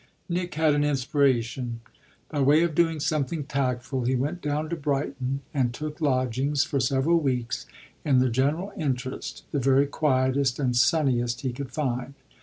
Nick had an inspiration: by way of doing something tactful he went down to Brighton and took lodgings, for several weeks, in the general interest, the very quietest and sunniest he could find.